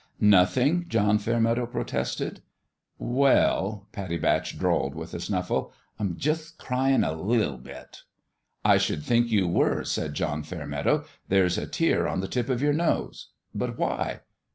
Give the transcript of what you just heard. " Nothing !" John Fairmeadow protested. " Well," Pattie Batch drawled, with a snuffle, " I'm jutht cryin' a liT bit." " I should think you were," said John Fair meadow. " There's a tear on the tip of your nose. But why